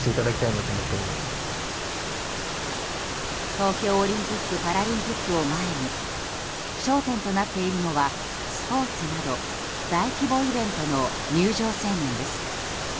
東京オリンピック・パラリンピックを前に焦点となっているのはスポーツなど大規模イベントの入場制限です。